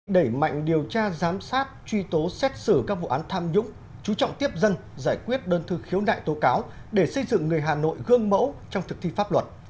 đẩy mạnh điều tra giám sát truy tố xét xử các vụ án tham nhũng chú trọng tiếp dân giải quyết đơn thư khiếu nại tố cáo để xây dựng người hà nội gương mẫu trong thực thi pháp luật